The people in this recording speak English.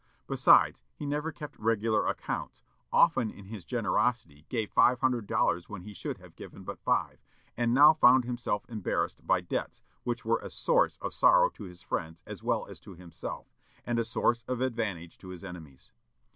Besides, he never kept regular accounts, often in his generosity gave five hundred dollars when he should have given but five, and now found himself embarrassed by debts which were a source of sorrow to his friends as well as to himself, and a source of advantage to his enemies.